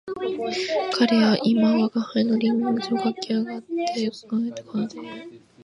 彼は今吾輩の輪廓をかき上げて顔のあたりを色彩っている